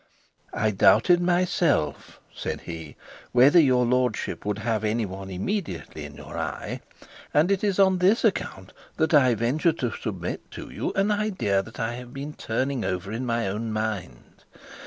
'I doubted myself,' said he, 'whether your lordship would have any one immediately in your eye, and it is on this account that I venture to submit to you an idea that I have been turning over in my own mind.